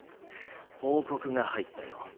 報告が入ったよ。